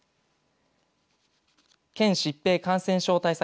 県疾病・感染症対策